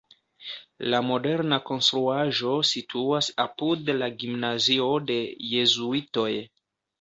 La moderna konstruaĵo situas apud la gimnazio de jezuitoj.